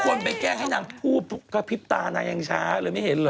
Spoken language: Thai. คนไปแกล้งให้นางพูดกระพริบตานางยังช้าเลยไม่เห็นเหรอ